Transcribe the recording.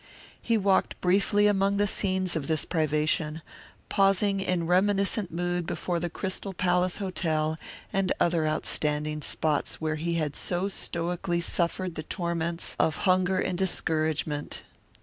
He walked briefly among the scenes of this privation, pausing in reminiscent mood before the Crystal Palace Hotel and other outstanding spots where he had so stoically suffered the torments of hunger and discouragement.